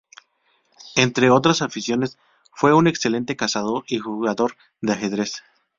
Entre otras aficiones, fue un excelente cazador y jugador de ajedrez.